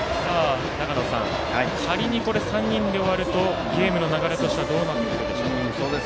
仮に３人で終わるとゲームの流れとしてはどうなってくるでしょうか。